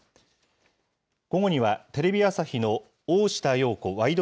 午後には、テレビ朝日の大下容子ワイド！